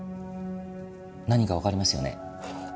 何かわかりますよね？